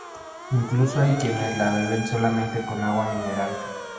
Incluso hay quienes la beben solamente con agua mineral.